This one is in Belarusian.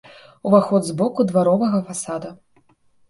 Уваход з боку дваровага фасада.